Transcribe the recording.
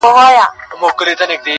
نه یم رسېدلی لا سپېڅلیي لېونتوب ته زه،